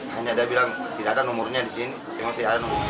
hanya dia bilang tidak ada nomornya di sini